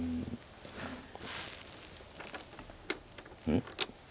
うん？